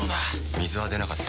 水は出なかった。